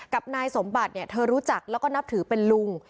กับนายสมบัติเนี่ยเธอรู้จักแล้วก็นับถือเป็นลุง